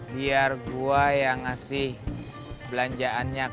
biar gue yang ngasih belanjaannya ke ani